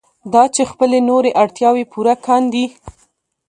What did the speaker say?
دا چې خپلې نورې اړتیاوې پوره کاندي.